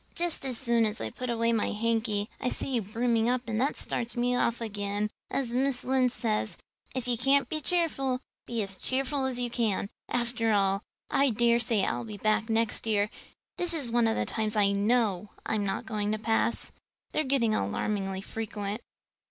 "Just as soon as I put away my hanky I see you brimming up and that starts me off again. As Mrs. Lynde says, 'If you can't be cheerful, be as cheerful as you can.' After all, I dare say I'll be back next year. This is one of the times I know I'm not going to pass. They're getting alarmingly frequent."